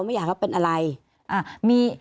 ไม่อยากให้เป็นอะไร